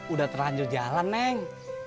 udah terlanjur jalan neng